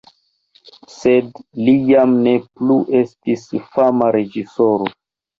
Sed li jam ne plu estis fama reĝisoro.